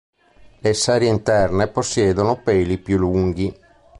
Le serie interne possiedono peli più lunghi.